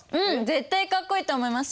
絶対かっこいいと思います。